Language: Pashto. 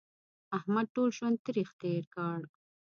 احمد ټول ژوند تریخ تېر کړ